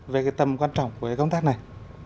về cái tầm quan trọng của công tác này